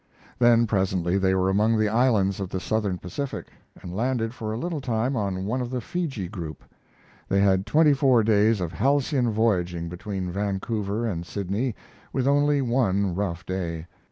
Then presently they were among the islands of the southern Pacific, and landed for a little time on one of the Fiji group. They had twenty four days of halcyon voyaging between Vancouver and Sydney with only one rough day.